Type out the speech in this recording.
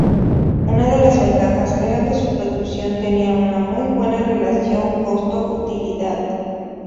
Una de las ventajas era que su producción tenía una muy buena relación costo-utilidad.